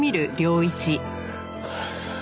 母さん。